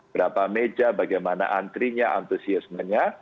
berapa meja bagaimana antrinya antusiasmenya